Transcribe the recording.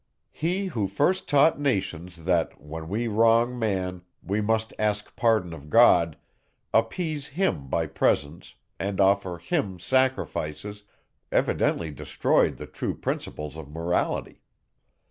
He, who first taught nations, that, when we wrong Man, we must ask pardon of God, appease him by presents, and offer him sacrifices, evidently destroyed the true principles of Morality.